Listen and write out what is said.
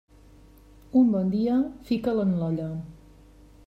Un bon dia, fica'l en l'olla.